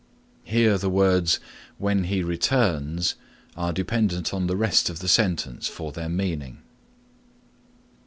Here the words, "when he returns" are dependent on the rest of the sentence for their meaning.